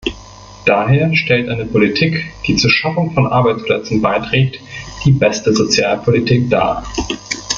Daher stellt eine Politik, die zur Schaffung von Arbeitsplätzen beiträgt, die beste Sozialpolitik dar.